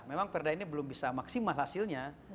memang perda ini belum bisa maksimal hasilnya